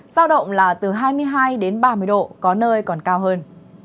giao động là từ hai mươi hai đến ba mươi độ có nơi còn cao hơn